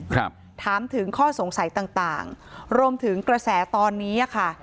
ครับถามถึงข้อสงสัยต่างต่างรวมถึงกระแสตอนนี้อ่ะค่ะ